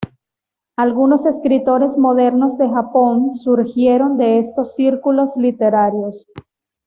Algunos escritores modernos de Japón surgieron de estos círculos literarios.